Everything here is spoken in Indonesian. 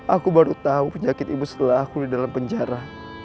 aku baru tahu penyakit ibu setelah aku di dalam penjara